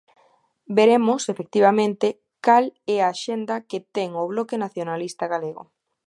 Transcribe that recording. Veremos, efectivamente, cal é a axenda que ten o Bloque Nacionalista Galego.